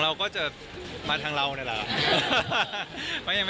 อย่างของพี่บีมพวกสาวดังโห้ทั้งแม่ยังไง